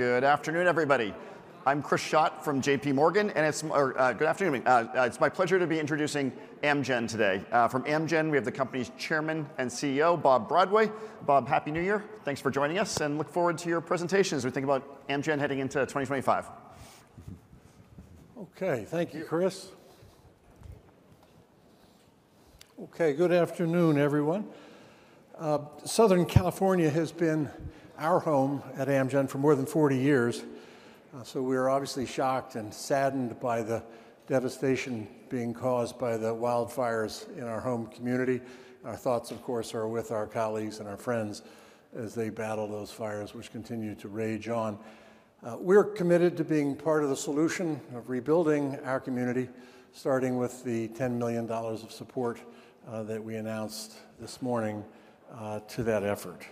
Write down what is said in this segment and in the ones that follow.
Good afternoon, everybody. I'm Chris Schott from JPMorgan, and it's my pleasure to be introducing Amgen today. From Amgen, we have the company's Chairman and CEO, Bob Bradway. Bob, happy New Year. Thanks for joining us, and look forward to your presentations as we think about Amgen heading into 2025. Okay, thank you, Chris. Okay, good afternoon, everyone. Southern California has been our home at Amgen for more than 40 years, so we are obviously shocked and saddened by the devastation being caused by the wildfires in our home community. Our thoughts, of course, are with our colleagues and our friends as they battle those fires, which continue to rage on. We're committed to being part of the solution of rebuilding our community, starting with the $10 million of support that we announced this morning to that effort.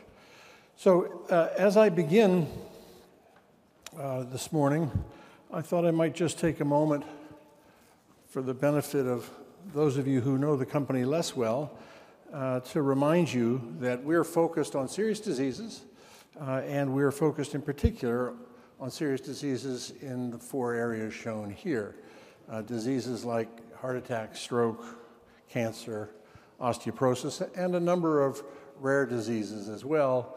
As I begin this morning, I thought I might just take a moment for the benefit of those of you who know the company less well to remind you that we're focused on serious diseases, and we're focused in particular on serious diseases in the four areas shown here: diseases like heart attack, stroke, cancer, osteoporosis, and a number of rare diseases as well.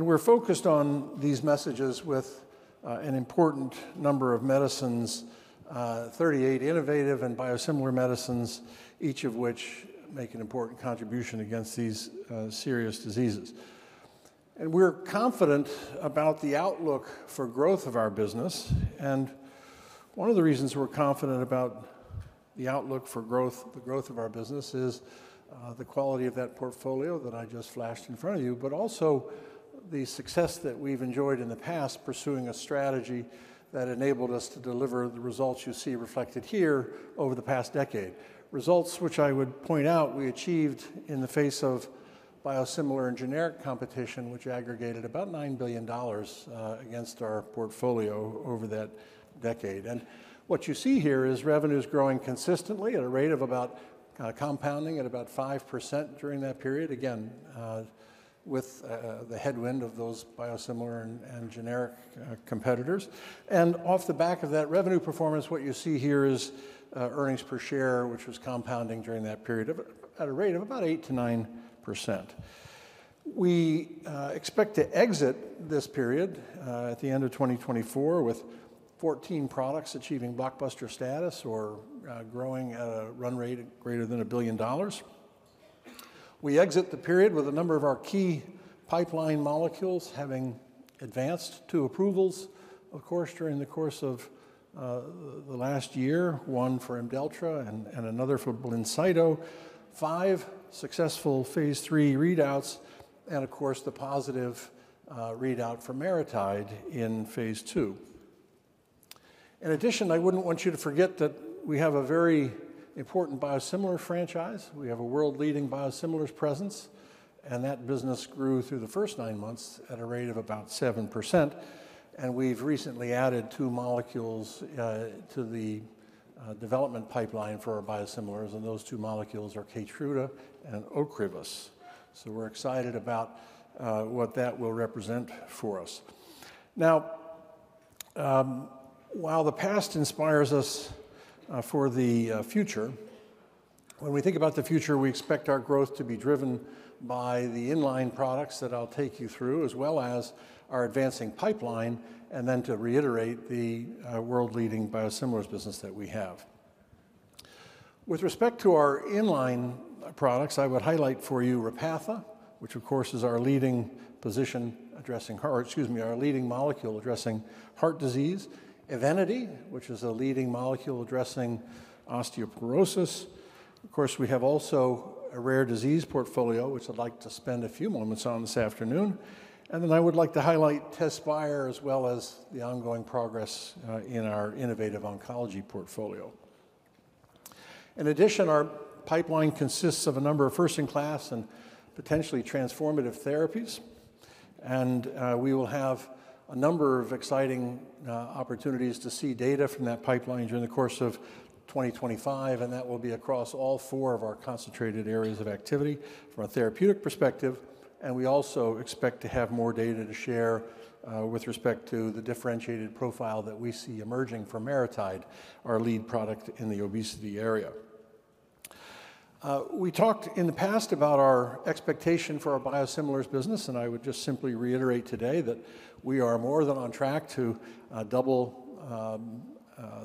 We're focused on these areas with an innovative portfolio of 38 medicines, each of which makes an important contribution against these serious diseases. We're confident about the outlook for growth of our business. One of the reasons we're confident about the outlook for growth, the growth of our business, is the quality of that portfolio that I just flashed in front of you, but also the success that we've enjoyed in the past pursuing a strategy that enabled us to deliver the results you see reflected here over the past decade. Results which I would point out we achieved in the face of biosimilar and generic competition, which aggregated about $9 billion against our portfolio over that decade. And what you see here is revenues growing consistently at a rate of about compounding at about 5% during that period, again, with the headwind of those biosimilar and generic competitors. And off the back of that revenue performance, what you see here is earnings per share, which was compounding during that period at a rate of about 8%-9%. We expect to exit this period at the end of 2024 with 14 products achieving blockbuster status or growing at a run rate greater than $1 billion. We exit the period with a number of our key pipeline molecules having advanced to approvals, of course, during the course of the last year, one for IMDELLTRA and another for Blincyto, five successful phase III readouts, and of course, the positive readout for MariTide in phase II. In addition, I wouldn't want you to forget that we have a very important biosimilar franchise. We have a world-leading biosimilars presence, and that business grew through the first nine months at a rate of about 7%. And we've recently added two molecules to the development pipeline for our biosimilars, and those two molecules are KEYTRUDA and OCREVUS. So we're excited about what that will represent for us. Now, while the past inspires us for the future, when we think about the future, we expect our growth to be driven by the inline products that I'll take you through, as well as our advancing pipeline, and then to reiterate the world-leading biosimilars business that we have. With respect to our inline products, I would highlight for you Repatha, which of course is our leading molecule addressing heart disease. EVENITY, which is a leading molecule addressing osteoporosis. Of course, we have also a rare disease portfolio, which I'd like to spend a few moments on this afternoon, and then I would like to highlight TEZSPIRE, as well as the ongoing progress in our innovative oncology portfolio. In addition, our pipeline consists of a number of first-in-class and potentially transformative therapies, and we will have a number of exciting opportunities to see data from that pipeline during the course of 2025, and that will be across all four of our concentrated areas of activity from a therapeutic perspective, and we also expect to have more data to share with respect to the differentiated profile that we see emerging from MariTide, our lead product in the obesity area. We talked in the past about our expectation for our biosimilars business, and I would just simply reiterate today that we are more than on track to double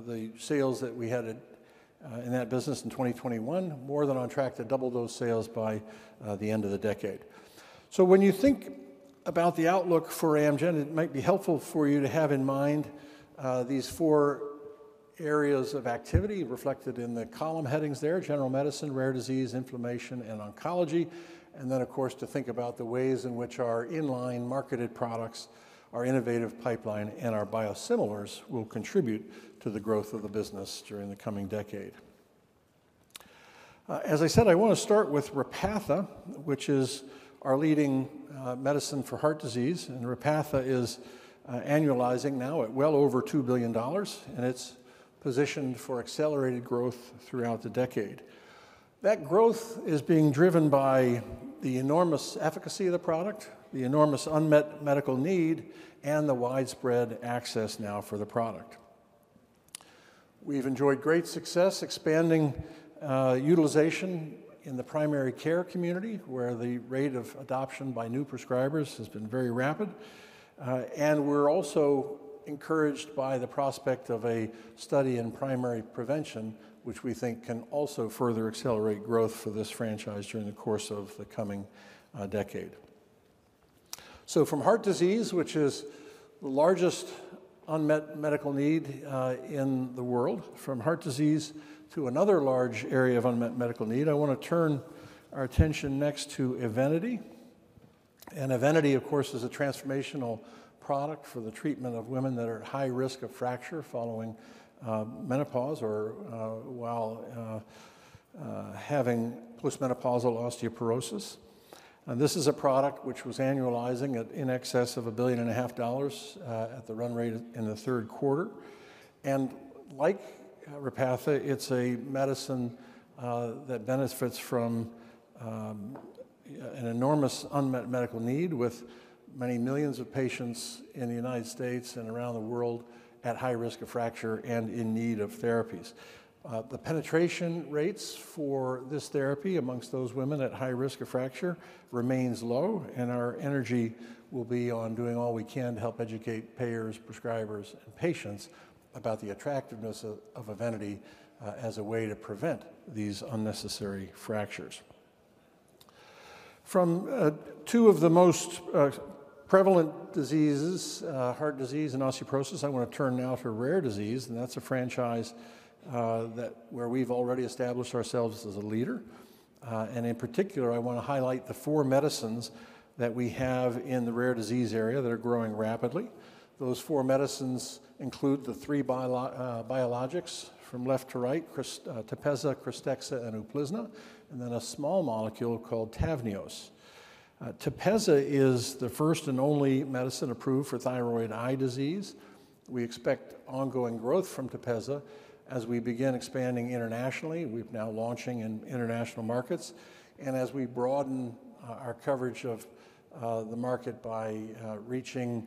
the sales that we had in that business in 2021, more than on track to double those sales by the end of the decade. So when you think about the outlook for Amgen, it might be helpful for you to have in mind these four areas of activity reflected in the column headings there: general medicine, rare disease, inflammation, and oncology. And then, of course, to think about the ways in which our inline marketed products, our innovative pipeline, and our biosimilars will contribute to the growth of the business during the coming decade. As I said, I want to start with Repatha, which is our leading medicine for heart disease. And Repatha is annualizing now at well over $2 billion, and it's positioned for accelerated growth throughout the decade. That growth is being driven by the enormous efficacy of the product, the enormous unmet medical need, and the widespread access now for the product. We've enjoyed great success expanding utilization in the primary care community, where the rate of adoption by new prescribers has been very rapid, and we're also encouraged by the prospect of a study in primary prevention, which we think can also further accelerate growth for this franchise during the course of the coming decade. So from heart disease, which is the largest unmet medical need in the world, from heart disease to another large area of unmet medical need, I want to turn our attention next to EVENITY. And EVENITY, of course, is a transformational product for the treatment of women that are at high risk of fracture following menopause or while having postmenopausal osteoporosis, and this is a product which was annualizing at in excess of $1.5 billion at the run rate in the third quarter. Like Repatha, it's a medicine that benefits from an enormous unmet medical need with many millions of patients in the United States and around the world at high risk of fracture and in need of therapies. The penetration rates for this therapy among those women at high risk of fracture remain low, and our energy will be on doing all we can to help educate payers, prescribers, and patients about the attractiveness of EVENITY as a way to prevent these unnecessary fractures. From two of the most prevalent diseases, heart disease and osteoporosis, I want to turn now to rare disease, and that's a franchise where we've already established ourselves as a leader. In particular, I want to highlight the four medicines that we have in the rare disease area that are growing rapidly. Those four medicines include the three biologics from left to right: TEPEZZA, KRYSTEXXA, and UPLIZNA, and then a small molecule called TAVNEOS. TEPEZZA is the first and only medicine approved for thyroid eye disease. We expect ongoing growth from TEPEZZA as we begin expanding internationally. We're now launching in international markets, and as we broaden our coverage of the market by reaching,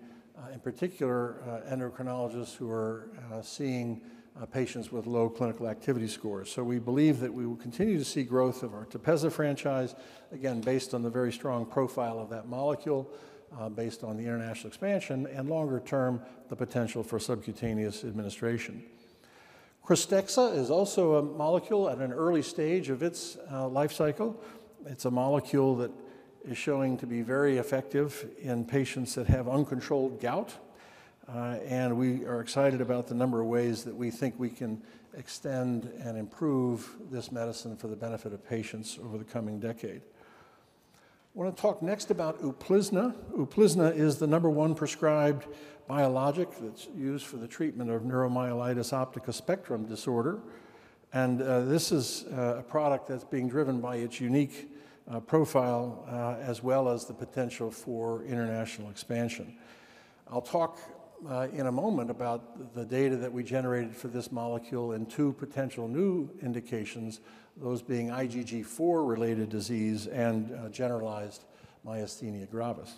in particular, endocrinologists who are seeing patients with low clinical activity scores. So we believe that we will continue to see growth of our TEPEZZA franchise, again, based on the very strong profile of that molecule, based on the international expansion, and longer term, the potential for subcutaneous administration. KRYSTEXXA is also a molecule at an early stage of its life cycle. It's a molecule that is showing to be very effective in patients that have uncontrolled gout, and we are excited about the number of ways that we think we can extend and improve this medicine for the benefit of patients over the coming decade. I want to talk next about UPLIZNA. UPLIZNA is the number one prescribed biologic that's used for the treatment of neuromyelitis optica spectrum disorder, and this is a product that's being driven by its unique profile as well as the potential for international expansion. I'll talk in a moment about the data that we generated for this molecule and two potential new indications, those being IgG4-related disease and generalized myasthenia gravis.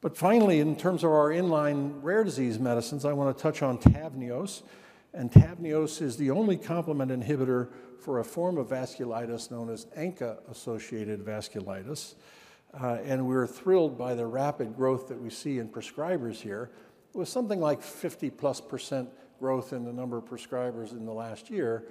But finally, in terms of our inline rare disease medicines, I want to touch on TAVNEOS, and TAVNEOS is the only complement inhibitor for a form of vasculitis known as ANCA-associated vasculitis. And we're thrilled by the rapid growth that we see in prescribers here. It was something like 50%+ growth in the number of prescribers in the last year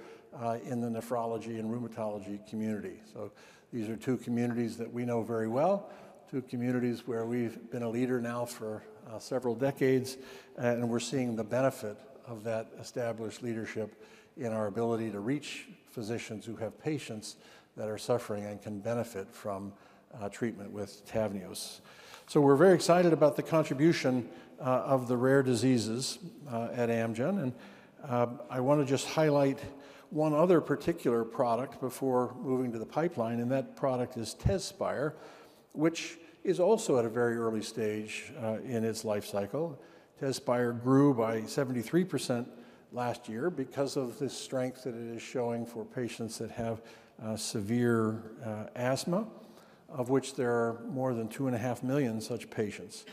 in the nephrology and rheumatology community. So these are two communities that we know very well, two communities where we've been a leader now for several decades, and we're seeing the benefit of that established leadership in our ability to reach physicians who have patients that are suffering and can benefit from treatment with TAVNEOS. So we're very excited about the contribution of the rare diseases at Amgen, and I want to just highlight one other particular product before moving to the pipeline, and that product is TEZSPIRE, which is also at a very early stage in its life cycle. TEZSPIRE grew by 73% last year because of the strength that it is showing for patients that have severe asthma, of which there are more than 2.5 million such patients.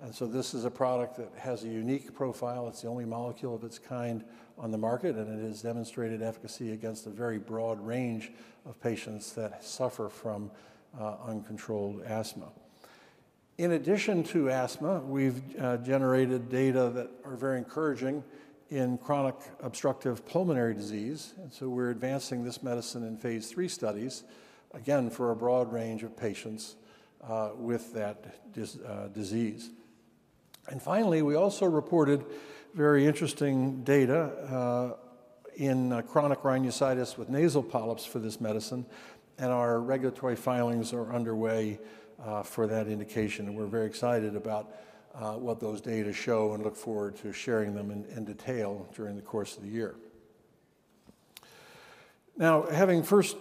And so this is a product that has a unique profile. It's the only molecule of its kind on the market, and it has demonstrated efficacy against a very broad range of patients that suffer from uncontrolled asthma. In addition to asthma, we've generated data that are very encouraging in chronic obstructive pulmonary disease, and so we're advancing this medicine in phase III studies, again, for a broad range of patients with that disease. And finally, we also reported very interesting data in chronic rhinosinusitis with nasal polyps for this medicine, and our regulatory filings are underway for that indication. We're very excited about what those data show and look forward to sharing them in detail during the course of the year. Now, having first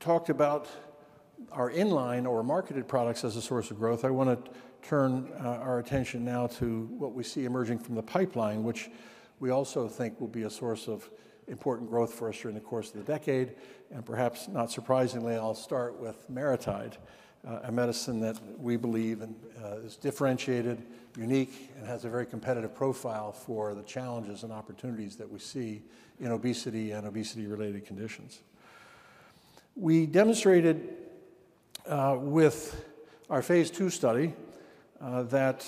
talked about our inline or marketed products as a source of growth, I want to turn our attention now to what we see emerging from the pipeline, which we also think will be a source of important growth for us during the course of the decade. Perhaps not surprisingly, I'll start with MariTide, a medicine that we believe is differentiated, unique, and has a very competitive profile for the challenges and opportunities that we see in obesity and obesity-related conditions. We demonstrated with our phase II study that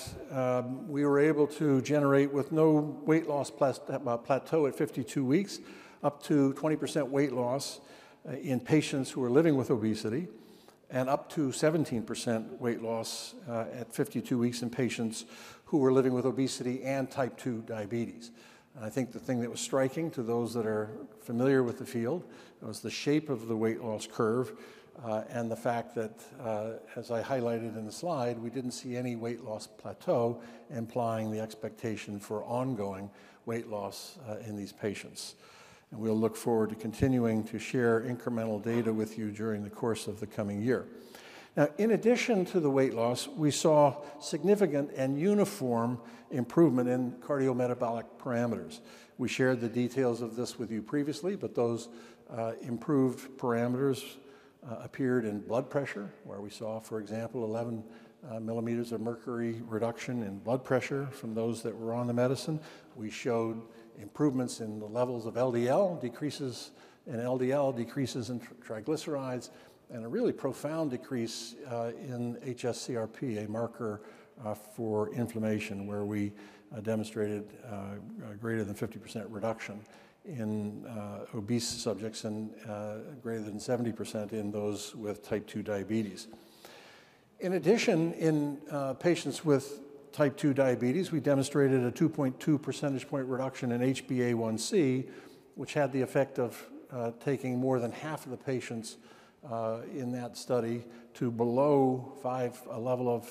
we were able to generate, with no weight loss plateau at 52 weeks, up to 20% weight loss in patients who are living with obesity and up to 17% weight loss at 52 weeks in patients who were living with obesity and type 2 diabetes. And I think the thing that was striking to those that are familiar with the field was the shape of the weight loss curve and the fact that, as I highlighted in the slide, we didn't see any weight loss plateau implying the expectation for ongoing weight loss in these patients. And we'll look forward to continuing to share incremental data with you during the course of the coming year. Now, in addition to the weight loss, we saw significant and uniform improvement in cardiometabolic parameters. We shared the details of this with you previously, but those improved parameters appeared in blood pressure, where we saw, for example, 11 mm of mercury reduction in blood pressure from those that were on the medicine. We showed improvements in the levels of LDL, decreases in LDL, decreases in triglycerides, and a really profound decrease in HS-CRP, a marker for inflammation, where we demonstrated greater than 50% reduction in obese subjects and greater than 70% in those with type 2 diabetes. In addition, in patients with type 2 diabetes, we demonstrated a 2.2 percentage point reduction in HbA1c, which had the effect of taking more than half of the patients in that study to below a level of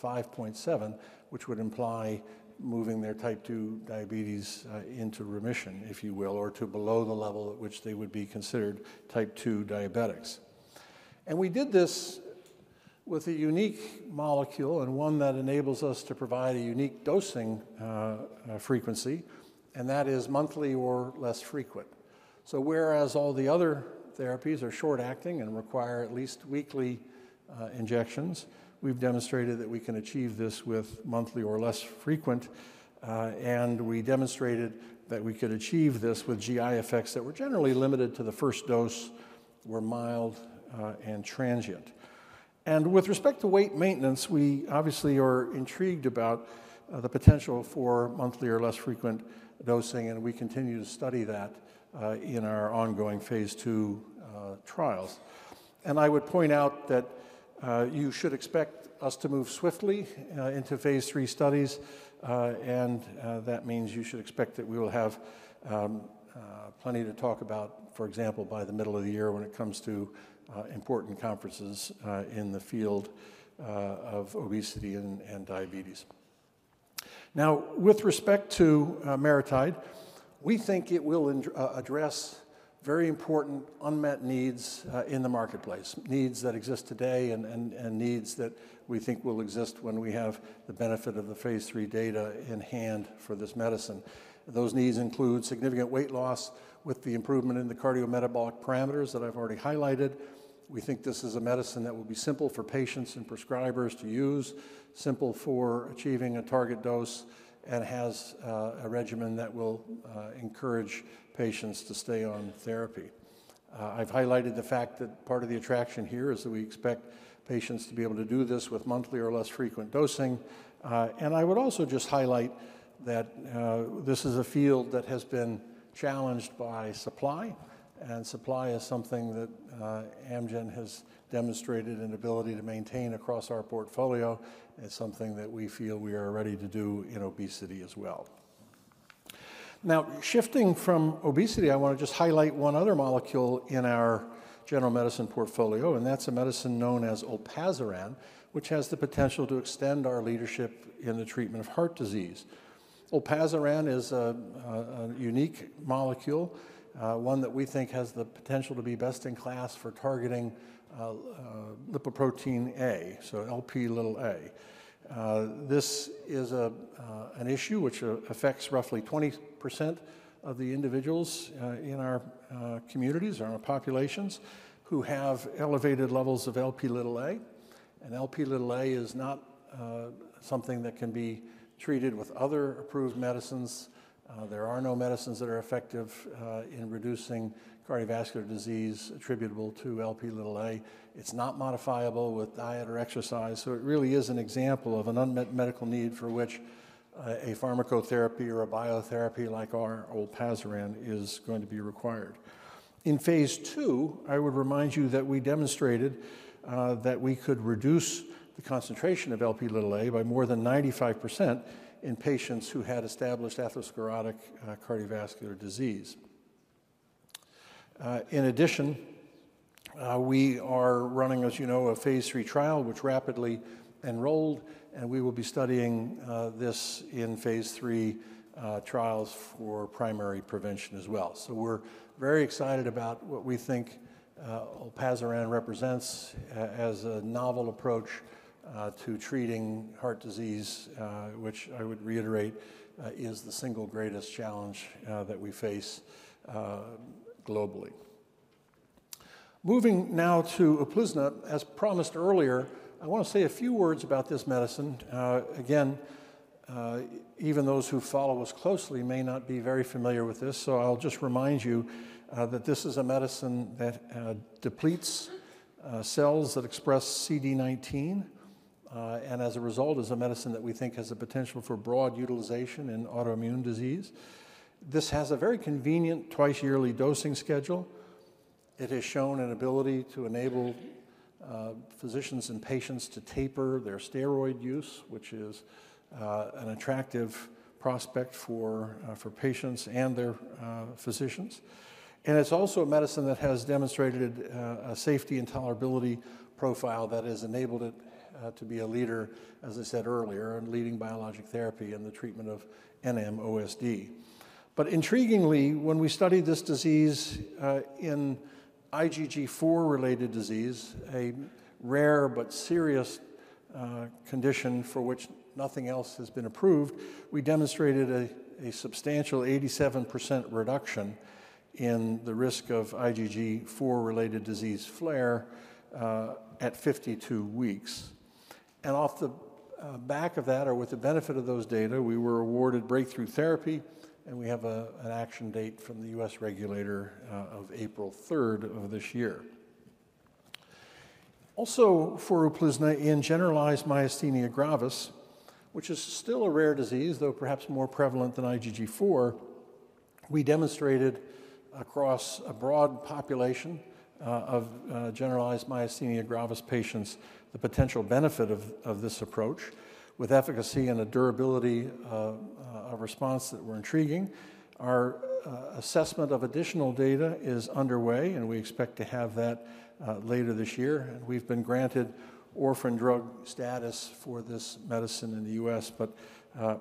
5.7, which would imply moving their type 2 diabetes into remission, if you will, or to below the level at which they would be considered type 2 diabetics. We did this with a unique molecule and one that enables us to provide a unique dosing frequency, and that is monthly or less frequent. Whereas all the other therapies are short-acting and require at least weekly injections, we've demonstrated that we can achieve this with monthly or less frequent, and we demonstrated that we could achieve this with GI effects that were generally limited to the first dose, were mild and transient. With respect to weight maintenance, we obviously are intrigued about the potential for monthly or less frequent dosing, and we continue to study that in our ongoing phase II trials. I would point out that you should expect us to move swiftly into phase III studies, and that means you should expect that we will have plenty to talk about, for example, by the middle of the year when it comes to important conferences in the field of obesity and diabetes. Now, with respect to MariTide, we think it will address very important unmet needs in the marketplace, needs that exist today and needs that we think will exist when we have the benefit of the phase III data in hand for this medicine. Those needs include significant weight loss with the improvement in the cardiometabolic parameters that I've already highlighted. We think this is a medicine that will be simple for patients and prescribers to use, simple for achieving a target dose, and has a regimen that will encourage patients to stay on therapy. I've highlighted the fact that part of the attraction here is that we expect patients to be able to do this with monthly or less frequent dosing, and I would also just highlight that this is a field that has been challenged by supply, and supply is something that Amgen has demonstrated an ability to maintain across our portfolio. It's something that we feel we are ready to do in obesity as well. Now, shifting from obesity, I want to just highlight one other molecule in our general medicine portfolio, and that's a medicine known as Olpasiran, which has the potential to extend our leadership in the treatment of heart disease. Olpasiran is a unique molecule, one that we think has the potential to be best in class for targeting lipoprotein(a), so Lp(a). This is an issue which affects roughly 20% of the individuals in our communities, our populations, who have elevated levels of Lp(a), and Lp(a) is not something that can be treated with other approved medicines. There are no medicines that are effective in reducing cardiovascular disease attributable to Lp(a). It's not modifiable with diet or exercise, so it really is an example of an unmet medical need for which a pharmacotherapy or a biotherapy like our Olpasiran is going to be required. In phase II, I would remind you that we demonstrated that we could reduce the concentration of Lp(a) by more than 95% in patients who had established atherosclerotic cardiovascular disease. In addition, we are running, as you know, a phase III trial which rapidly enrolled, and we will be studying this in phase III trials for primary prevention as well. We're very excited about what we think Olpasiran represents as a novel approach to treating heart disease, which I would reiterate is the single greatest challenge that we face globally. Moving now to UPLIZNA. As promised earlier, I want to say a few words about this medicine. Again, even those who follow us closely may not be very familiar with this, so I'll just remind you that this is a medicine that depletes cells that express CD19, and as a result, is a medicine that we think has the potential for broad utilization in autoimmune disease. This has a very convenient twice-yearly dosing schedule. It has shown an ability to enable physicians and patients to taper their steroid use, which is an attractive prospect for patients and their physicians. It's also a medicine that has demonstrated a safety and tolerability profile that has enabled it to be a leader, as I said earlier, in leading biologic therapy in the treatment of NMOSD. Intriguingly, when we studied this disease in IgG4-related disease, a rare but serious condition for which nothing else has been approved, we demonstrated a substantial 87% reduction in the risk of IgG4-related disease flare at 52 weeks. Off the back of that, or with the benefit of those data, we were awarded breakthrough therapy, and we have an action date from the U.S. regulator of April 3rd of this year. Also, for UPLIZNA in generalized myasthenia gravis, which is still a rare disease, though perhaps more prevalent than IgG4, we demonstrated across a broad population of generalized myasthenia gravis patients the potential benefit of this approach with efficacy and a durability of response that were intriguing. Our assessment of additional data is underway, and we expect to have that later this year. And we've been granted orphan drug status for this medicine in the U.S., but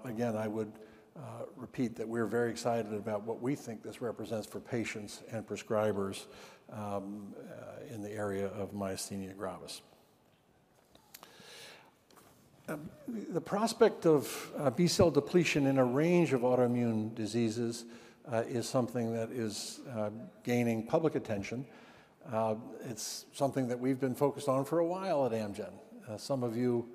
again, I would repeat that we're very excited about what we think this represents for patients and prescribers in the area of myasthenia gravis. The prospect of B-cell depletion in a range of autoimmune diseases is something that is gaining public attention. It's something that we've been focused on for a while at Amgen. Some of you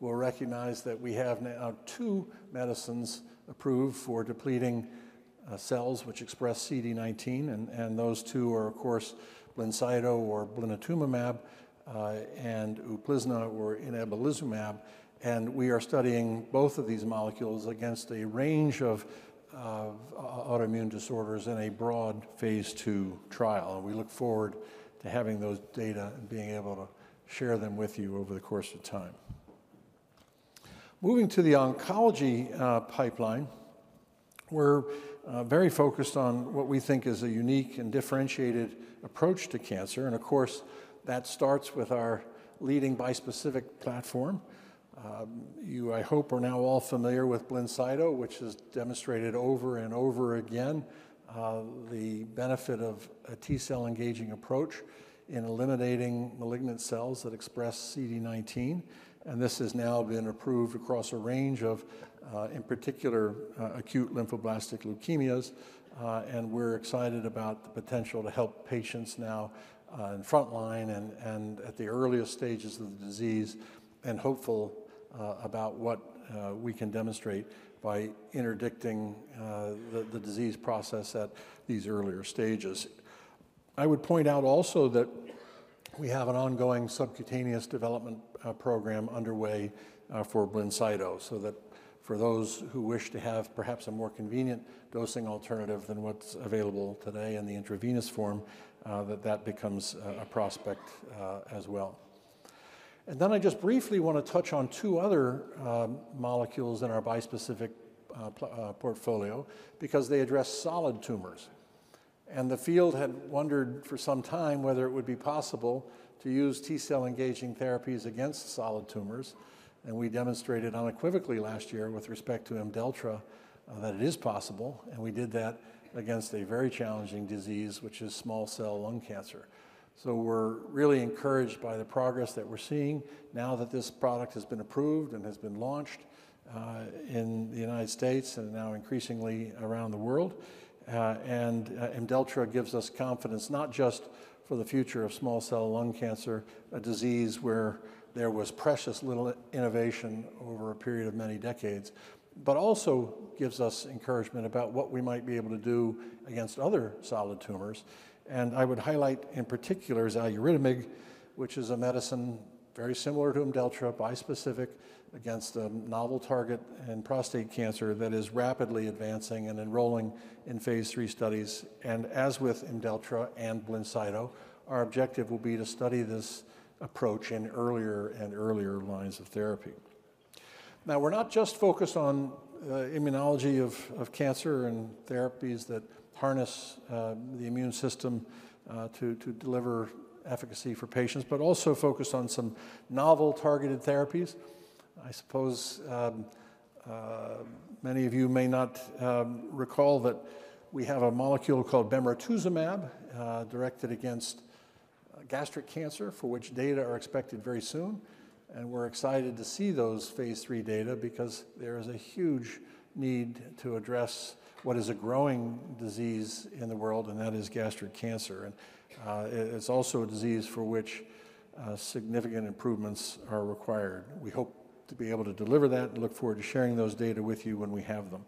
will recognize that we have now two medicines approved for depleting cells which express CD19, and those two are, of course, Blincyto or blinatumomab and UPLIZNA or inebilizumab, and we are studying both of these molecules against a range of autoimmune disorders in a broad phase II trial, and we look forward to having those data and being able to share them with you over the course of time. Moving to the oncology pipeline, we're very focused on what we think is a unique and differentiated approach to cancer, and of course, that starts with our leading bispecific platform. You, I hope, are now all familiar with Blincyto, which has demonstrated over and over again the benefit of a T-cell engaging approach in eliminating malignant cells that express CD19. This has now been approved across a range of, in particular, acute lymphoblastic leukemias, and we're excited about the potential to help patients now in front line and at the earliest stages of the disease and hopeful about what we can demonstrate by interdicting the disease process at these earlier stages. I would point out also that we have an ongoing subcutaneous development program underway for Blincyto, so that for those who wish to have perhaps a more convenient dosing alternative than what's available today in the intravenous form, that that becomes a prospect as well. And then I just briefly want to touch on two other molecules in our bispecific portfolio because they address solid tumors. The field had wondered for some time whether it would be possible to use T-cell engaging therapies against solid tumors, and we demonstrated unequivocally last year with respect to IMDELLTRA that it is possible, and we did that against a very challenging disease, which is small cell lung cancer. We're really encouraged by the progress that we're seeing now that this product has been approved and has been launched in the United States and now increasingly around the world. IMDELLTRA gives us confidence not just for the future of small cell lung cancer, a disease where there was precious little innovation over a period of many decades, but also gives us encouragement about what we might be able to do against other solid tumors. And I would highlight in particular Xaluritamig, which is a medicine very similar to IMDELLTRA, bispecific against a novel target in prostate cancer that is rapidly advancing and enrolling in phase III studies. And as with IMDELLTRA and Blincyto, our objective will be to study this approach in earlier and earlier lines of therapy. Now, we're not just focused on the immunology of cancer and therapies that harness the immune system to deliver efficacy for patients, but also focused on some novel targeted therapies. I suppose many of you may not recall that we have a molecule called Bemirtuzumab directed against gastric cancer, for which data are expected very soon, and we're excited to see those phase III data because there is a huge need to address what is a growing disease in the world, and that is gastric cancer. It's also a disease for which significant improvements are required. We hope to be able to deliver that and look forward to sharing those data with you when we have them.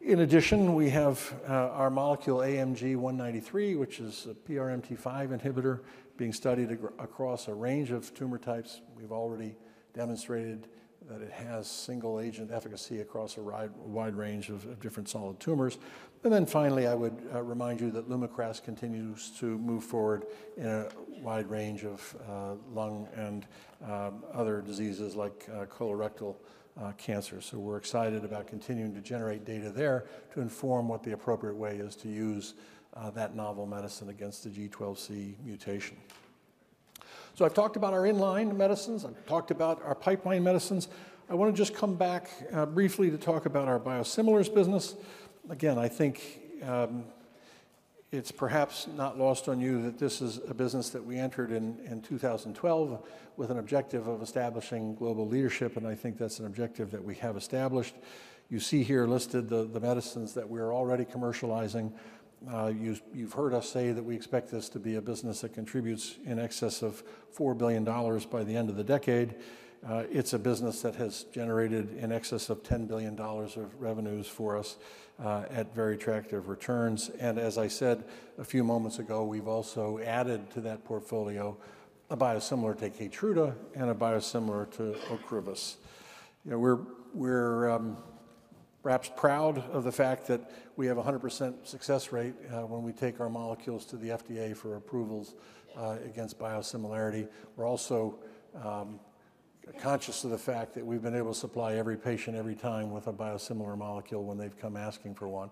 In addition, we have our molecule AMG 193, which is a PRMT5 inhibitor being studied across a range of tumor types. We've already demonstrated that it has single-agent efficacy across a wide range of different solid tumors. And then finally, I would remind you that LUMAKRAS continues to move forward in a wide range of lung and other diseases like colorectal cancer. We're excited about continuing to generate data there to inform what the appropriate way is to use that novel medicine against the G12C mutation. I've talked about our inline medicines. I've talked about our pipeline medicines. I want to just come back briefly to talk about our biosimilars business. Again, I think it's perhaps not lost on you that this is a business that we entered in 2012 with an objective of establishing global leadership, and I think that's an objective that we have established. You see here listed the medicines that we are already commercializing. You've heard us say that we expect this to be a business that contributes in excess of $4 billion by the end of the decade. \It's a business that has generated in excess of $10 billion of revenues for us at very attractive returns. And as I said a few moments ago, we've also added to that portfolio a biosimilar to KEYTRUDA and a biosimilar to OCREVUS. We're perhaps proud of the fact that we have a 100% success rate when we take our molecules to the FDA for approvals against biosimilarity. We're also conscious of the fact that we've been able to supply every patient every time with a biosimilar molecule when they've come asking for one,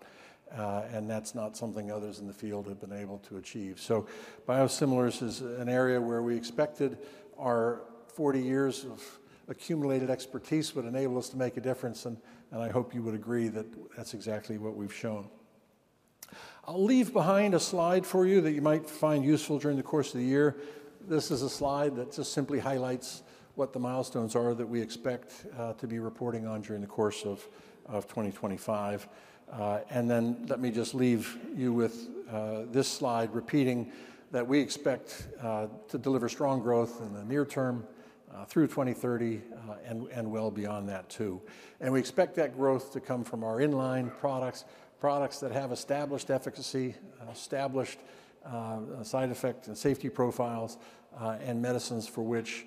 and that's not something others in the field have been able to achieve, so biosimilars is an area where we expected our 40 years of accumulated expertise would enable us to make a difference, and I hope you would agree that that's exactly what we've shown. I'll leave behind a slide for you that you might find useful during the course of the year. This is a slide that just simply highlights what the milestones are that we expect to be reporting on during the course of 2025, and then let me just leave you with this slide repeating that we expect to deliver strong growth in the near term through 2030 and well beyond that too. We expect that growth to come from our inline products, products that have established efficacy, established side effect and safety profiles, and medicines for which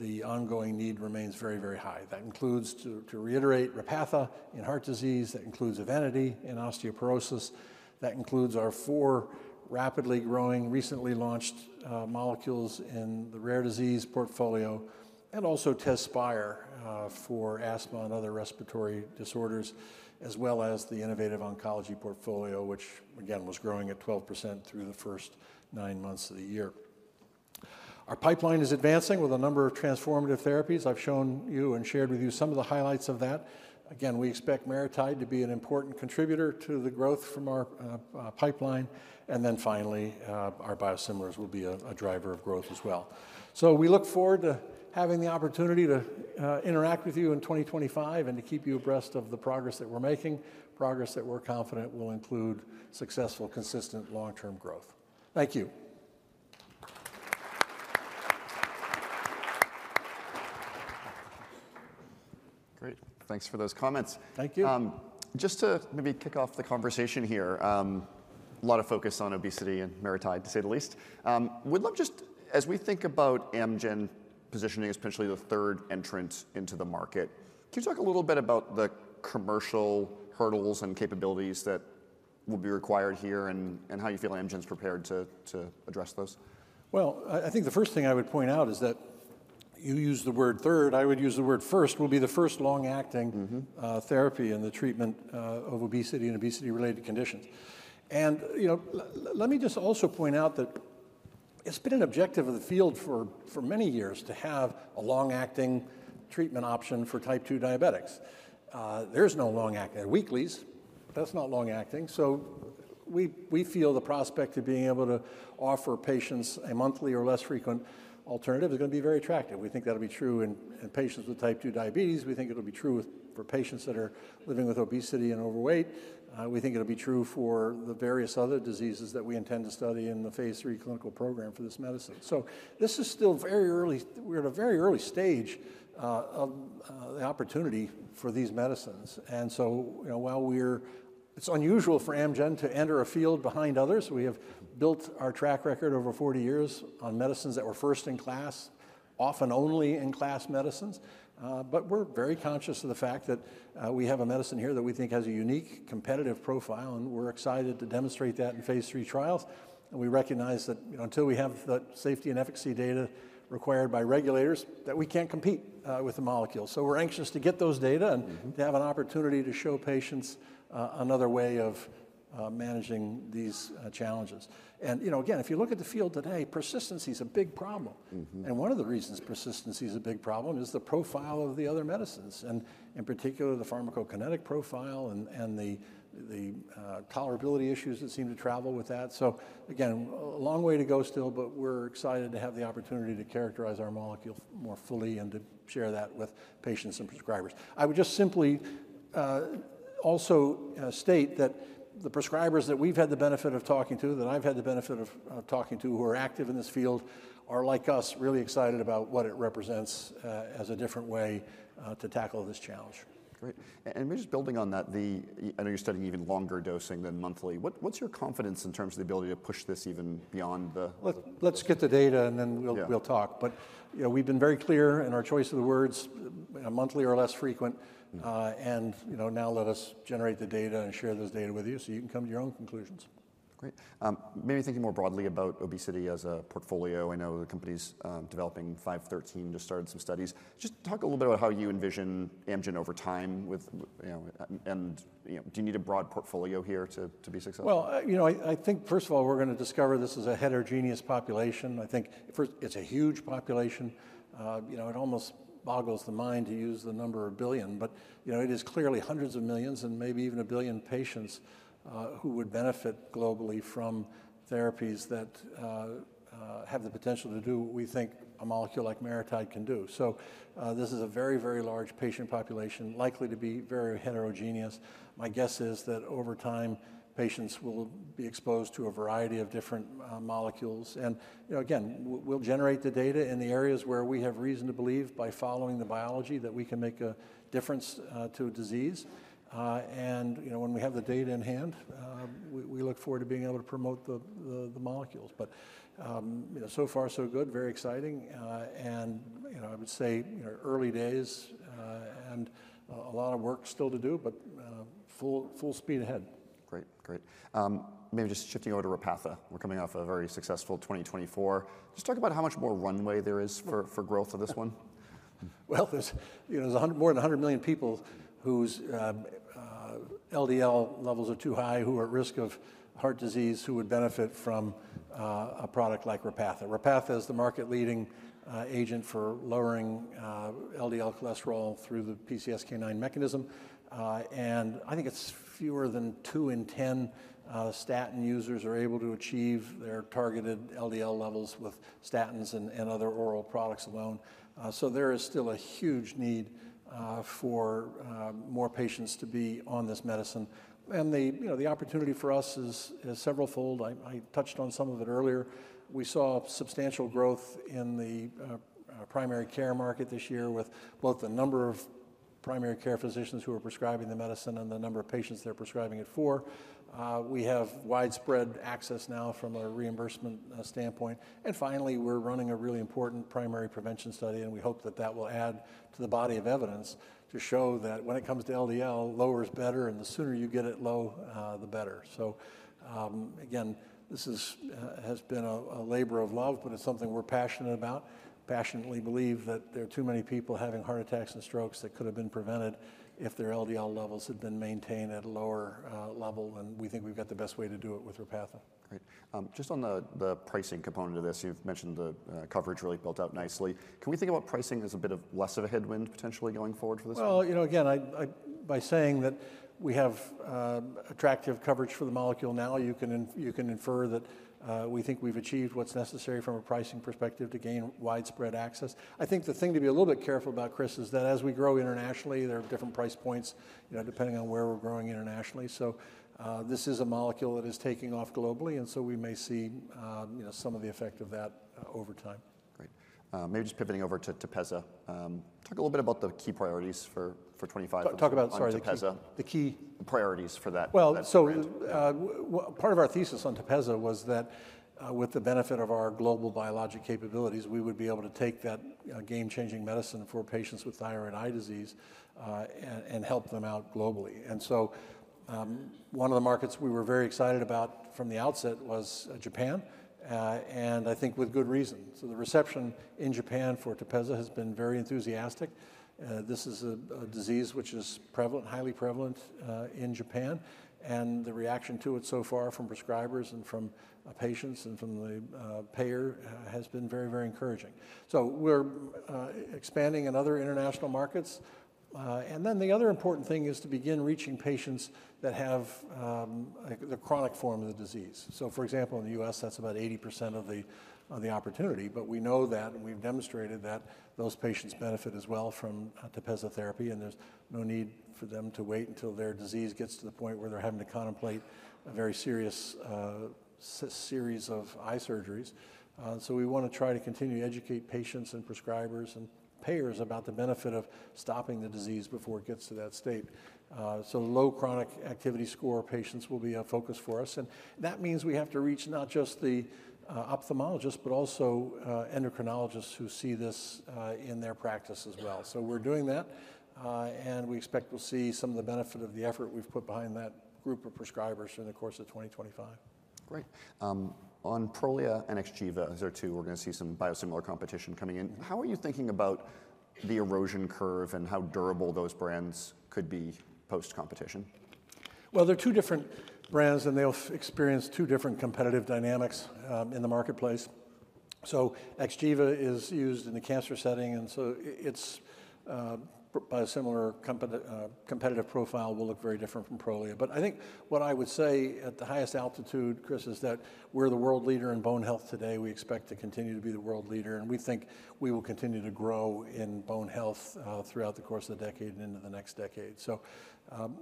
the ongoing need remains very, very high. That includes, to reiterate, Repatha in heart disease. That includes EVENITY in osteoporosis. That includes our four rapidly growing, recently launched molecules in the rare disease portfolio, and also TEZSPIRE for asthma and other respiratory disorders, as well as the innovative oncology portfolio, which, again, was growing at 12% through the first nine months of the year. Our pipeline is advancing with a number of transformative therapies. I've shown you and shared with you some of the highlights of that. Again, we expect MariTide to be an important contributor to the growth from our pipeline, and then finally, our biosimilars will be a driver of growth as well. So we look forward to having the opportunity to interact with you in 2025 and to keep you abreast of the progress that we're making, progress that we're confident will include successful, consistent long-term growth. Thank you. Great. Thanks for those comments. Thank you. Just to maybe kick off the conversation here, a lot of focus on obesity and MariTide, to say the least. We'd love just, as we think about Amgen positioning as potentially the third entrant into the market, can you talk a little bit about the commercial hurdles and capabilities that will be required here and how you feel Amgen's prepared to address those? I think the first thing I would point out is that you use the word third, I would use the word first, will be the first long-acting therapy in the treatment of obesity and obesity-related conditions. Let me just also point out that it's been an objective of the field for many years to have a long-acting treatment option for type 2 diabetics. There's no long-acting. Weeklies, that's not long-acting. We feel the prospect of being able to offer patients a monthly or less frequent alternative is going to be very attractive. We think that'll be true in patients with type 2 diabetes. We think it'll be true for patients that are living with obesity and overweight. We think it'll be true for the various other diseases that we intend to study in the phase III clinical program for this medicine. This is still very early. We're at a very early stage of the opportunity for these medicines. And so while we're, it's unusual for Amgen to enter a field behind others, we have built our track record over 40 years on medicines that were first in class, often only in class medicines. But we're very conscious of the fact that we have a medicine here that we think has a unique competitive profile, and we're excited to demonstrate that in phase III trials. And we recognize that until we have the safety and efficacy data required by regulators, that we can't compete with the molecule. So we're anxious to get those data and to have an opportunity to show patients another way of managing these challenges. And again, if you look at the field today, persistency is a big problem. And one of the reasons persistency is a big problem is the profile of the other medicines, and in particular, the pharmacokinetic profile and the tolerability issues that seem to travel with that. So again, a long way to go still, but we're excited to have the opportunity to characterize our molecule more fully and to share that with patients and prescribers. I would just simply also state that the prescribers that we've had the benefit of talking to, that I've had the benefit of talking to, who are active in this field, are like us, really excited about what it represents as a different way to tackle this challenge. Great. And just building on that, I know you're studying even longer dosing than monthly. What's your confidence in terms of the ability to push this even beyond the? Let's get the data and then we'll talk. But we've been very clear in our choice of the words, monthly or less frequent, and now let us generate the data and share those data with you so you can come to your own conclusions. Great. Maybe thinking more broadly about obesity as a portfolio, I know the company's developing 513, just started some studies. Just talk a little bit about how you envision Amgen over time with, and do you need a broad portfolio here to be successful? I think, first of all, we're going to discover this is a heterogeneous population. I think it's a huge population. It almost boggles the mind to use the number of billion, but it is clearly hundreds of millions and maybe even a billion patients who would benefit globally from therapies that have the potential to do what we think a molecule like MariTide can do. This is a very, very large patient population, likely to be very heterogeneous. My guess is that over time, patients will be exposed to a variety of different molecules. Again, we'll generate the data in the areas where we have reason to believe by following the biology that we can make a difference to a disease. When we have the data in hand, we look forward to being able to promote the molecules. So far, so good, very exciting. And I would say early days and a lot of work still to do, but full speed ahead. Great. Great. Maybe just shifting over to Repatha. We're coming off a very successful 2024. Just talk about how much more runway there is for growth of this one. There's more than 100 million people whose LDL levels are too high, who are at risk of heart disease, who would benefit from a product like Repatha. Repatha is the market-leading agent for lowering LDL cholesterol through the PCSK9 mechanism. I think it's fewer than two in ten statin users are able to achieve their targeted LDL levels with statins and other oral products alone. There is still a huge need for more patients to be on this medicine. The opportunity for us is several-fold. I touched on some of it earlier. We saw substantial growth in the primary care market this year with both the number of primary care physicians who are prescribing the medicine and the number of patients they're prescribing it for. We have widespread access now from a reimbursement standpoint. Finally, we're running a really important primary prevention study, and we hope that that will add to the body of evidence to show that when it comes to LDL, lower is better, and the sooner you get it low, the better. So again, this has been a labor of love, but it's something we're passionate about. Passionately believe that there are too many people having heart attacks and strokes that could have been prevented if their LDL levels had been maintained at a lower level, and we think we've got the best way to do it with Repatha. Great. Just on the pricing component of this, you've mentioned the coverage really built up nicely. Can we think about pricing as a bit of less of a headwind potentially going forward for this? Again, by saying that we have attractive coverage for the molecule now, you can infer that we think we've achieved what's necessary from a pricing perspective to gain widespread access. I think the thing to be a little bit careful about, Chris, is that as we grow internationally, there are different price points depending on where we're growing internationally. So this is a molecule that is taking off globally, and so we may see some of the effect of that over time. Great. Maybe just pivoting over to TEPEZZA. Talk a little bit about the key priorities for 2025. Talk about, sorry, the key. The key priorities for that. Well, so part of our thesis on TEPEZZA was that with the benefit of our global biologic capabilities, we would be able to take that game-changing medicine for patients with thyroid eye disease and help them out globally. And so one of the markets we were very excited about from the outset was Japan, and I think with good reason. So the reception in Japan for TEPEZZA has been very enthusiastic. This is a disease which is prevalent, highly prevalent in Japan, and the reaction to it so far from prescribers and from patients and from the payer has been very, very encouraging. So we're expanding in other international markets. And then the other important thing is to begin reaching patients that have the chronic form of the disease. So for example, in the U.S., that's about 80% of the opportunity, but we know that and we've demonstrated that those patients benefit as well from TEPEZZA therapy, and there's no need for them to wait until their disease gets to the point where they're having to contemplate a very serious series of eye surgeries. So we want to try to continue to educate patients and prescribers and payers about the benefit of stopping the disease before it gets to that state. So low chronic activity score patients will be a focus for us. And that means we have to reach not just the ophthalmologists, but also endocrinologists who see this in their practice as well. So we're doing that, and we expect we'll see some of the benefit of the effort we've put behind that group of prescribers in the course of 2025. Great. On Prolia and XGEVA, these are two, we're going to see some biosimilar competition coming in. How are you thinking about the erosion curve and how durable those brands could be post-competition? They're two different brands, and they'll experience two different competitive dynamics in the marketplace. So XGEVA is used in the cancer setting, and so it's by a similar competitive profile, will look very different from Prolia. But I think what I would say at the highest altitude, Chris, is that we're the world leader in bone health today. We expect to continue to be the world leader, and we think we will continue to grow in bone health throughout the course of the decade and into the next decade. So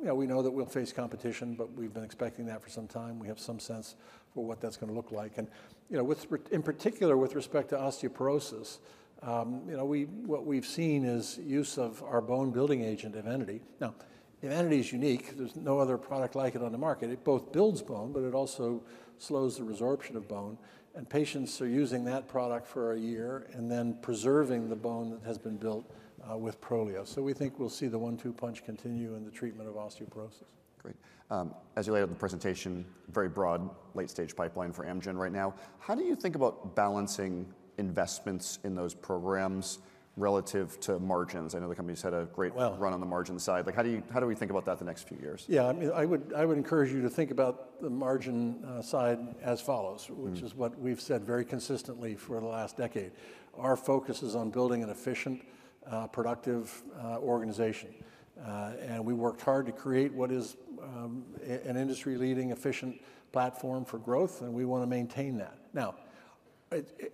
we know that we'll face competition, but we've been expecting that for some time. We have some sense for what that's going to look like. And in particular, with respect to osteoporosis, what we've seen is use of our bone-building agent, EVENITY. Now, EVENITY is unique. There's no other product like it on the market. It both builds bone, but it also slows the resorption of bone. And patients are using that product for a year and then preserving the bone that has been built with Prolia. So we think we'll see the one-two punch continue in the treatment of osteoporosis. Great. As you laid out in the presentation, very broad late-stage pipeline for Amgen right now. How do you think about balancing investments in those programs relative to margins? I know the company's had a great run on the margin side. How do we think about that the next few years? Yeah, I would encourage you to think about the margin side as follows, which is what we've said very consistently for the last decade. Our focus is on building an efficient, productive organization. And we worked hard to create what is an industry-leading efficient platform for growth, and we want to maintain that.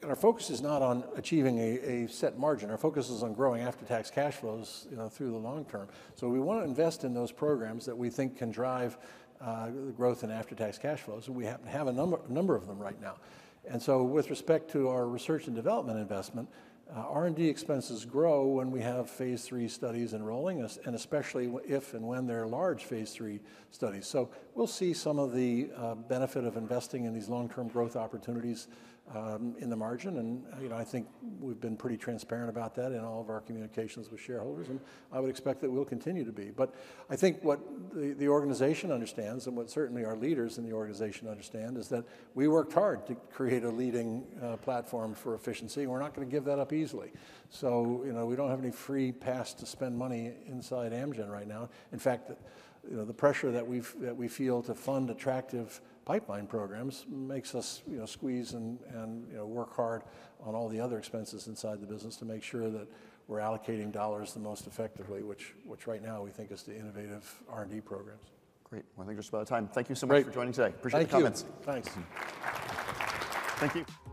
Now, our focus is not on achieving a set margin. Our focus is on growing after-tax cash flows through the long term. So we want to invest in those programs that we think can drive the growth in after-tax cash flows. We happen to have a number of them right now. And so with respect to our research and development investment, R&D expenses grow when we have phase III studies enrolling, and especially if and when there are large phase III studies. So we'll see some of the benefit of investing in these long-term growth opportunities in the margin. And I think we've been pretty transparent about that in all of our communications with shareholders. And I would expect that we'll continue to be. But I think what the organization understands and what certainly our leaders in the organization understand is that we worked hard to create a leading platform for efficiency. We're not going to give that up easily. So we don't have any free pass to spend money inside Amgen right now. In fact, the pressure that we feel to fund attractive pipeline programs makes us squeeze and work hard on all the other expenses inside the business to make sure that we're allocating dollars the most effectively, which right now we think is the innovative R&D programs. Great. I think we're just about out of time. Thank you so much for joining today. Appreciate the comments. Thanks. Thank you.